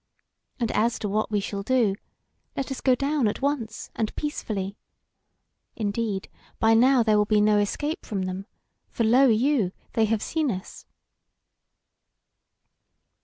And as to what we shall do, let us go down at once, and peacefully. Indeed, by now there will be no escape from them; for lo you! they have seen us."